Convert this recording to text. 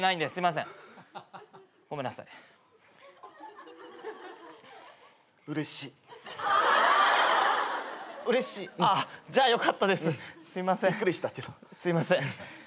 すいません。